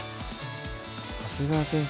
長谷川先生